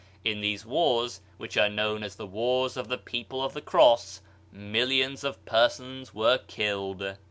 In these wars, which are known as the wars of the people of the Cross, millions of persons were killed.